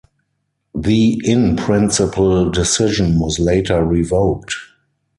The in-principle decision was later revoked.